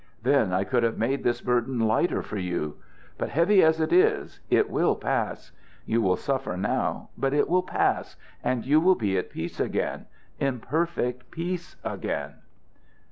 Then I could have made this burden lighter for you. But, heavy as it is, it will pass. You suffer now, but it will pass, and you will be at peace again at perfect peace again."